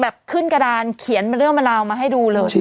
ขึ้นกระดานเขียนเป็นเรื่องบรรราวมาให้ดูเลย